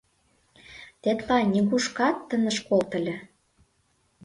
Тетла нигушкат ынышт колто ыле!..